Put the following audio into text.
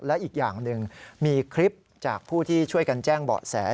และอีกอย่างหนึ่งมีคลิปจากผู้ที่ช่วยกันแจ้งเบาะแส